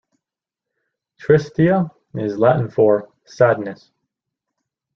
"Tristitia" is Latin for "sadness.